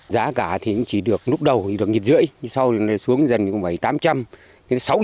giá cả thì chỉ được lúc đầu thì được nghịt rưỡi sau đó xuống dần cũng phải tám trăm linh